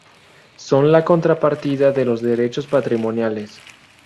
Son la contrapartida de los derechos patrimoniales.